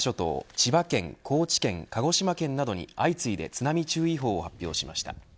千葉県、高知県、鹿児島県などに相次いで津波注意報を発表しました。